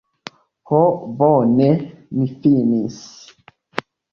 Ho bone mi finis